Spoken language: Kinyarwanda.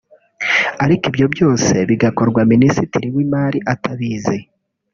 ariko ibyo byose bigakorwa Minisitiri w’Imari atabizi